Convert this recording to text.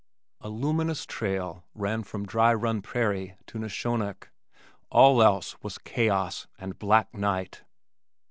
A luminous trail ran from Dry Run Prairie to Neshonoc all else was "chaos and black night."